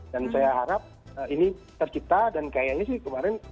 dan saya harap ini tercipta dan kayaknya sih kemarin